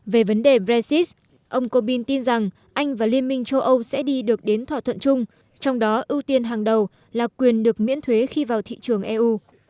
về vấn đề brexit ông corbyn tin rằng anh và liên minh châu âu sẽ đi được đến thỏa thuận chung trong đó ưu tiên hàng đầu là quyền được miễn thuế khi vào thị trường eu